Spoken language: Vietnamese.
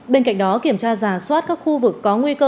bên cạnh đó kiểm tra giả soát các khu vực có nguy cơ